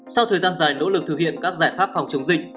sau thời gian dài nỗ lực thực hiện các giải pháp phòng chống dịch